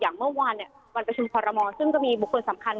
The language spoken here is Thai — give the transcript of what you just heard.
อย่างเมื่อวานวันประชุมพรมรซึ่งจะมีบุคคลสำคัญ